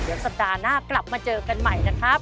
เดี๋ยวสัปดาห์หน้ากลับมาเจอกันใหม่นะครับ